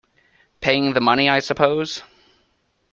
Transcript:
Paying the money, I suppose?